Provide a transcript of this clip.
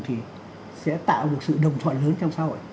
thì sẽ tạo được sự đồng thoại lớn trong xã hội